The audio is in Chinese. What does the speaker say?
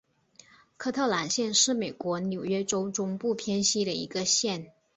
科特兰县是美国纽约州中部偏西的一个县。